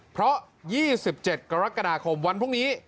เพราะ๒๗กรกฎาคมวันพรุ่งนี้